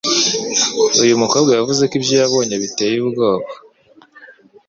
Uyu mu kobwa yavuzeko ibyo yabonye biteye ubwoba